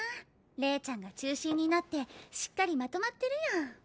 レイちゃんが中心になってしっかりまとまってるよ